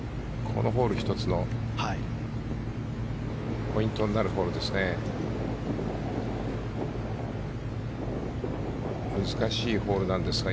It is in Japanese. このホール１つのポイントになるホールですね。